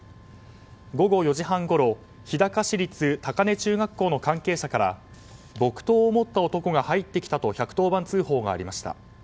午後４時半ごろ日高市立タカネ中学校の関係者から木刀を持った男が入ってきたと１１０番通報がありました。